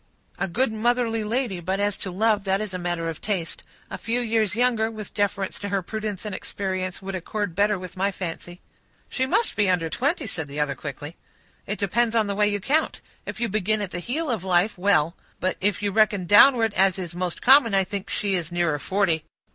"A good motherly lady, but as to love, that is a matter of taste. A few years younger, with deference to her prudence and experience, would accord better with my fancy." "She must be under twenty," said the other, quickly. "It depends on the way you count. If you begin at the heel of life, well; but if you reckon downward, as is most common, I think she is nearer forty."